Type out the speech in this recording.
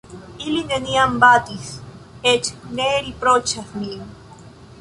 Ili neniam batis, eĉ ne riproĉas min.